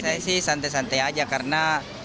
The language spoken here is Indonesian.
saya sih santai santai aja karena